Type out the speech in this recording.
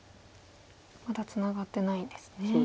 まだツナがってないんですね。